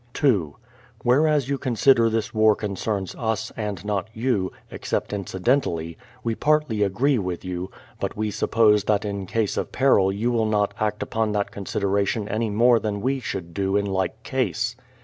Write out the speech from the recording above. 2. Whereas you consider this war concerns us, and not you, ex cept incidentally, we partly agree with you ; but we suppose that in case of peril j'ou will not act upon that consideration any more than we should do in like case.